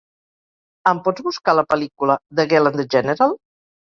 Em pots buscar la pel·lícula "The Girl and the General"?